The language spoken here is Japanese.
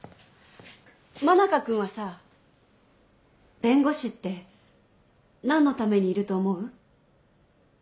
真中君はさ弁護士って何のためにいると思う？